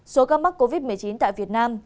số ca mắc covid một mươi chín tại việt nam